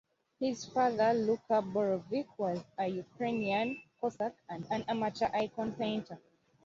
His father, Luka Borovyk was a Ukrainian Cossack and an amateur icon painter.